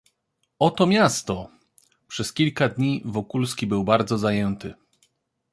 "Oto miasto!...“ Przez kilka dni Wokulski był bardzo zajęty."